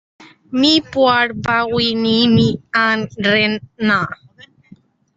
Mipuar bawi nih mi an hrem hna.